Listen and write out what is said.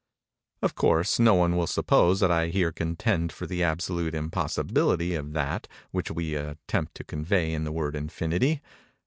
Of course, no one will suppose that I here contend for the absolute impossibility of that which we attempt to convey in the word "Infinity."